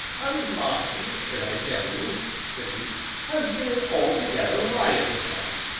"And mine, as I tell you," said he, "has been an altogether riotous one.